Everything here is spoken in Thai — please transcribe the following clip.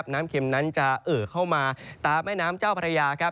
น้ำเข็มนั้นจะเอ่อเข้ามาตามแม่น้ำเจ้าพระยาครับ